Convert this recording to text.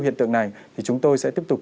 hiện tượng này thì chúng tôi sẽ tiếp tục